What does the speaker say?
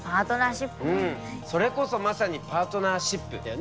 それこそまさにパートナーシップだよね。